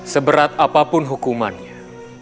seberat apapun hukumannya